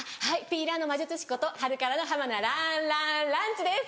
ピーラーの魔術師ことハルカラの浜名ランランランチです！